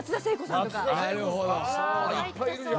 いっぱいいるじゃん。